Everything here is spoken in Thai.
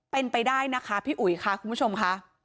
เป็นไปได้นะคะพี่อุ๋ยค่ะคุณผู้ชมค่ะ